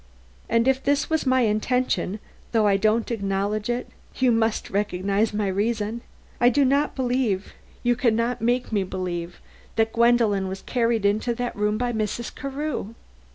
"And if this was my intention though I don't acknowledge it you must recognize my reason. I do not believe you can not make me believe that Gwendolen was carried into that room by Mrs. Carew.